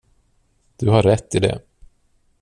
Du har rätt i det.